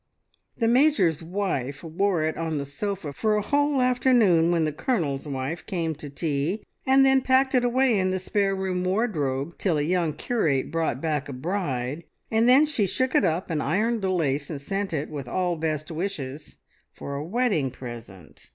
The Major's wife wore it on the sofa for a whole afternoon when the Colonel's wife came to tea, and then packed it away in the spare room wardrobe till a young curate brought back a bride, and then she shook it up and ironed the lace and sent it, with all best wishes, for a wedding present.